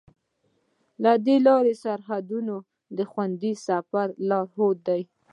د لارې سرحدونه د خوندي سفر لارښود دي.